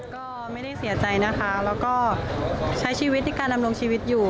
ก็ไม่ได้เสียใจนะคะแล้วก็ใช้ชีวิตในการดำรงชีวิตอยู่